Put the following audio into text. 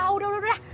udah udah udah